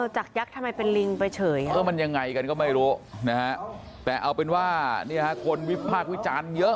จากยักษ์ทำไมเป็นลิงไปเฉย